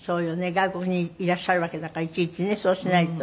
外国にいらっしゃるわけだからいちいちねそうしないと。